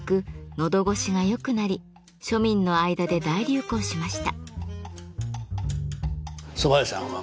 のどごしが良くなり庶民の間で大流行しました。